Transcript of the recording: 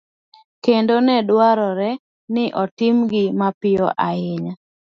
kendo ne dwarore ni otimgi mapiyo ahinya